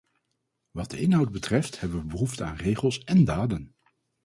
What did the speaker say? Wat de inhoud betreft hebben we behoefte aan regels én daden.